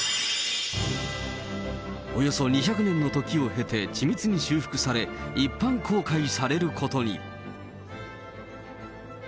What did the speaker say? およそ２００年の時を経て、緻密に修復され、一般公開されることに。